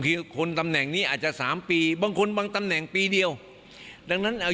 คือคนตำแหน่งนี้อาจจะสามปีบางคนบางตำแหน่งปีเดียวดังนั้นเอา